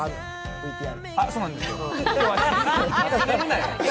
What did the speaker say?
ＶＴＲ。